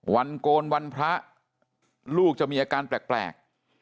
โกนวันพระลูกจะมีอาการแปลก